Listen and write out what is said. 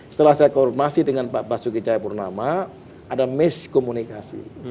setelah saya koordinasi dengan pak basuki cahayapurnama ada miskomunikasi